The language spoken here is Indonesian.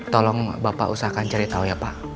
tolong bapak usahakan cari tahu ya pak